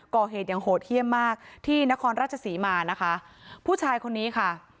ก่อเหตุอย่างโหดเยี่ยมมากที่นครราชศรีมานะคะผู้ชายคนนี้ค่ะ